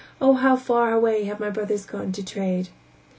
Oh, how far away have my brothers gone to trade."